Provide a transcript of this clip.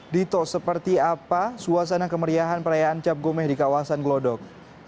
dito seperti apa suasana kemeriahan perayaan cap gomeh di kawasan glodok